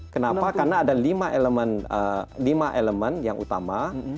kenapa karena ada lima elemen yang utama